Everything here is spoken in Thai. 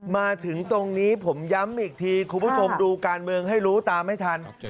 มาถึงตรงนี้ผมย้ำอีกทีคุณผู้ชมดูการเมืองให้รู้ตามให้ทัน